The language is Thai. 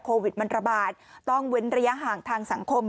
โควิดมันระบาดต้องเว้นระยะห่างทางสังคม